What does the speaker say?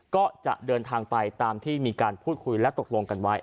ก็จะเดินทางไปตามที่มีการพูดคุยและตกลงกันไว้